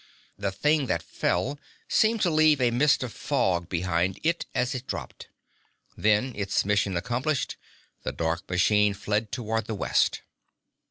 The thing that fell seemed to leave a mist of fog behind it as it dropped. Then, its mission accomplished, the dark machine fled toward the west.